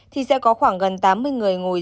thì sẽ có khoảng gần tám mươi người ngồi